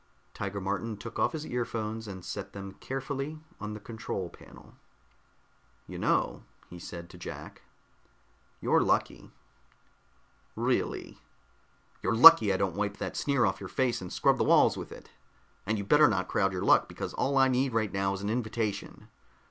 Tiger Martin took off his earphones and set them carefully on the control panel. "You know," he said to Jack, "you're lucky." "Really?" "You're lucky I don't wipe that sneer off your face and scrub the walls with it. And you'd better not crowd your luck, because all I need right now is an invitation."